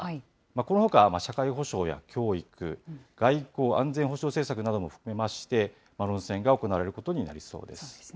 このほか、社会保障や教育、外交・安全保障政策なども含めまして、論戦が行われることになりそうです。